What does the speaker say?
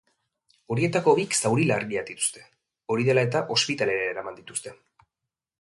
Horietako bik zauri larriak dituzte, hori dela eta, ospitalera eraman dituzte.